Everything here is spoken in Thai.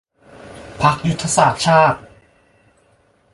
พรรคยุทธศาสตร์ชาติ